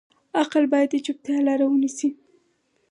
عقل باید د چوپتیا لاره ونیسي.